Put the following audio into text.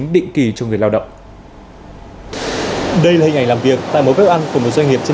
định kỳ cho người lao động đây là hình ảnh làm việc tại một bếp ăn của một doanh nghiệp